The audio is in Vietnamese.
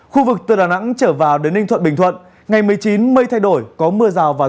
khu vực từ đà nẵng trở vào đến ninh thuận bình thuận ngày một mươi chín mây thay đổi có mưa rào và rông